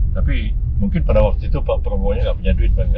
tapi mungkin pada waktu itu pak prabowo nya nggak punya duit banyak